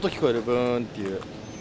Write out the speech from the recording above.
ブーンっていう。